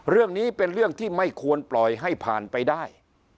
เรื่องนี้เป็นเรื่องที่ไม่ควรปล่อยให้ผ่านไปได้